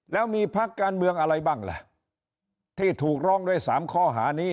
แล้วมีพักการเมืองอะไรบ้างล่ะที่ถูกร้องด้วย๓ข้อหานี้